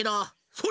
それ！